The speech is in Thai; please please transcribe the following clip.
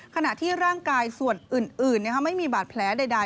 ขณะที่ร่างกายส่วนอื่นไม่มีบาดแผลใด